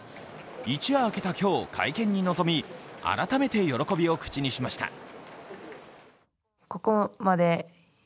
一夜明けた今日、会見に臨み、改めて喜びを口にしました。